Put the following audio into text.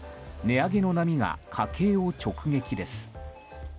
値上げの波が家計を直撃です。